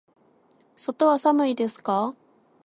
外は寒いですか。